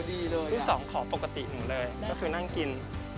ที่สองขอปกติหนูเลยก็คือนั่งกิน